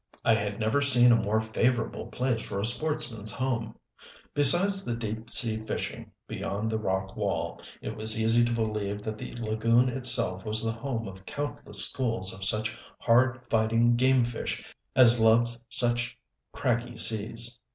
I had never seen a more favorable place for a sportsman's home. Besides the deep sea fishing beyond the rock wall, it was easy to believe that the lagoon itself was the home of countless schools of such hard fighting game fish as loved such craggy seas.